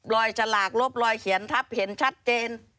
ฉลากลบรอยเขียนทับเห็นชัดเจน